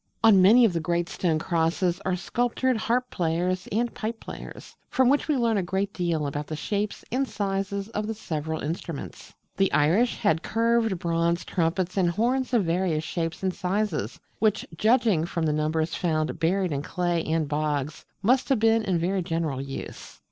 On many of the great stone crosses are sculptured harp players and pipe players, from which we learn a great deal about the shapes and sizes of the several instruments. The Irish had curved bronze Trumpets and Horns of various shapes and sizes, which, judging from the numbers found buried in clay and bogs, must have been in very general use.